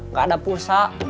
nggak ada pulsa